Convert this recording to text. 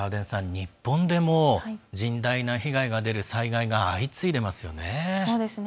日本でも甚大な被害が出る災害が相次いでいますよね。